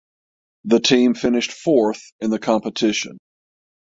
The team finished fourth in the competition.